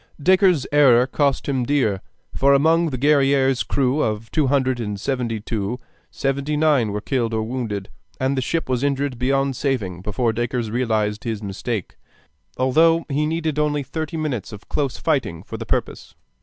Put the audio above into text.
Dacres's error cost him dear; for among the Guerrière's crew of two hundred and seventy two, seventy nine were killed or wounded, and the ship was injured beyond saving before Dacres realized his mistake, although he needed only thirty minutes of close fighting for the purpose.